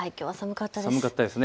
寒かったですね。